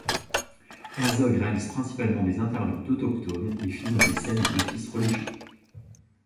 Herzog réalise principalement des interviews d'autochtones, et filme des scènes d'offices religieux.